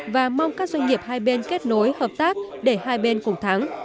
và mong các doanh nghiệp hai bên kết nối hợp tác để hai bên cùng thắng